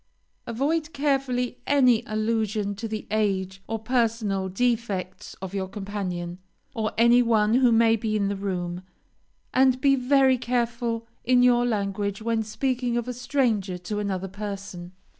Avoid carefully any allusion to the age or personal defects of your companion, or any one who may be in the room, and be very careful in your language when speaking of a stranger to another person.